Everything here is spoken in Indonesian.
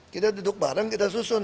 kita duduk bareng kita susun